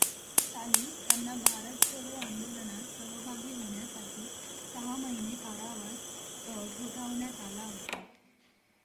साली त्यांना भारत छोडो आंदोलनात सहभागी होण्यासाठी सहा महिने कारावास ठोठावण्यात आला होता.